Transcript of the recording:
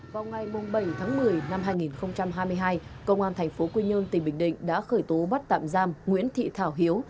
vào ngày bảy tháng một mươi năm hai nghìn hai mươi hai công an thành phố quy nhơn tỉnh bình định đã khởi tố bắt tạm giam nguyễn thị thảo hiếu